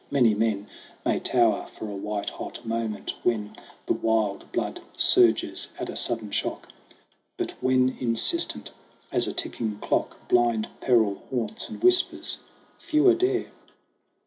Many men May tower for a white hot moment, when The wild blood surges at a sudden shock; But when, insistent as a ticking clock, Blind peril haunts and whispers, fewer dare.